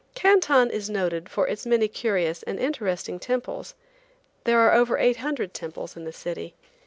Canton is noted for its many curious and interesting temples. There are over eight hundred temples in the city.